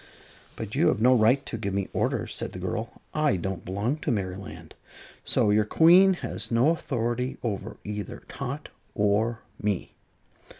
"But you have no right to give me orders," said the girl. "I don't belong to Merryland, so your Queen has no authority over either Tot or me."